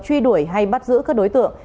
truy đuổi hay bắt giữ các đối tượng